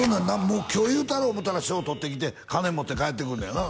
もう今日言うたろう思うたら賞取ってきて金持って帰ってくんのやな